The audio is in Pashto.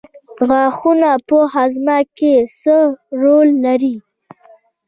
غاښونه په هاضمه کې څه رول لري